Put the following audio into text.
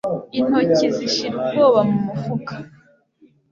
intoki zishira ubwoba mumufuka